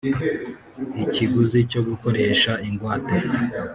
Ikiguzi cyo gukoresha ingwate